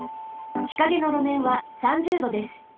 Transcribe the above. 日陰のろめんは３０℃です。